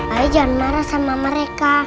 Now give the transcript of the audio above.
ayah jangan marah sama mereka